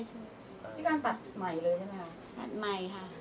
ใช่ใช่